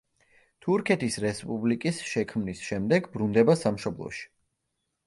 თურქეთის რესპუბლიკის შექმნის შემდეგ ბრუნდება სამშობლოში.